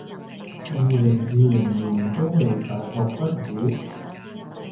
二零二零年都未大學畢業？